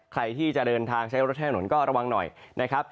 ใครที่จะเดินทางใช้รถใช้ถนนก็ระวังหน่อยนะครับ